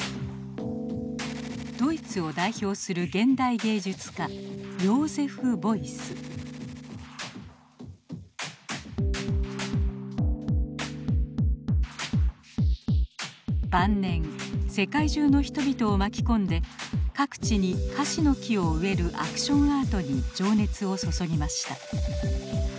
ドイツを代表する現代芸術家晩年世界中の人々を巻き込んで各地に樫の木を植えるアクションアートに情熱を注ぎました。